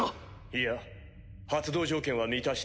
いや発動条件は満たしていない。